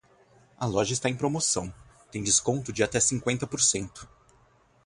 A loja está em programação, tem desconto de até cinquenta por cento.